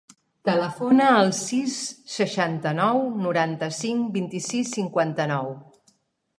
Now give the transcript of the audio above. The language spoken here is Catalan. Telefona al sis, seixanta-nou, noranta-cinc, vint-i-sis, cinquanta-nou.